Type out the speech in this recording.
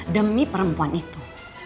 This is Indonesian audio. demi perempuan itu